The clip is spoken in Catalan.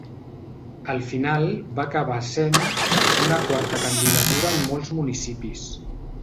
Al final va acabar essent una quarta candidatura en molts municipis.